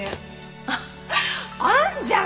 あっあるじゃん